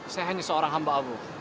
saya ini seorang hamba abu